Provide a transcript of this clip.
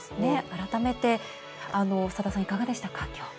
改めて、佐田さんいかがでしたか。